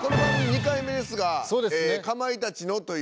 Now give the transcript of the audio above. ２回目ですがかまいたちのという。